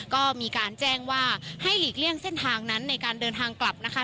ก็มีการแจ้งว่าให้หลีกเลี่ยงเส้นทางนั้นในการเดินทางกลับนะคะ